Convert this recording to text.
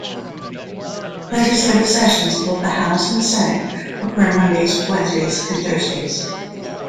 Legislative sessions in both the House and Senate occur on Mondays, Wednesdays, and Thursdays.